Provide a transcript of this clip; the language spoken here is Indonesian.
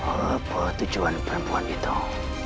apa tujuan perempuan itu